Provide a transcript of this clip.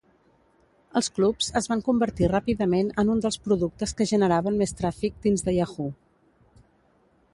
Els clubs es van convertir ràpidament en un dels productes que generaven més tràfic dins de Yahoo!.